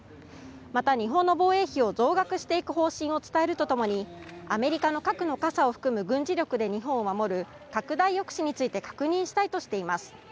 また、日本の防衛費を増額していく方針を伝えるとともにアメリカの核の傘を含む軍事力で日本を守る拡大抑止について確認したいとしています。